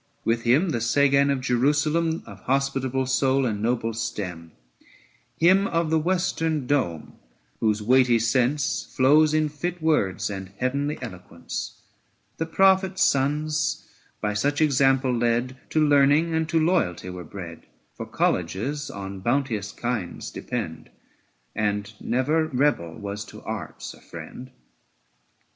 865 With him the Sagan of Jerusalem, Of hospitable soul and noble stem ; Him of the western dome, whose weighty sense Flows in fit words and heavenly eloquence. The Prophets' sons, by such example led, 870 To learning and to loyalty were bred: For colleges on bounteous kings depend, And never rebel was to arts a friend.